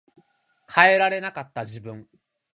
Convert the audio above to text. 変えられなかった自分